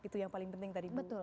itu yang paling penting tadi